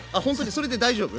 それで大丈夫？